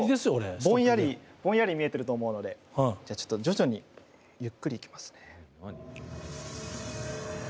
ぼんやりぼんやり見えてると思うのでじゃあちょっと徐々にゆっくりいきますね。